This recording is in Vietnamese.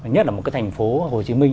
nhất là một cái thành phố hồ chí minh